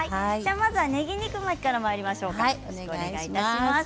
まずは、ねぎ肉巻きからまいりましょうか。